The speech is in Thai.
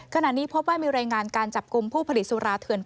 ขณะนี้พบว่ามีรายงานการจับกลุ่มผู้ผลิตสุราเถื่อน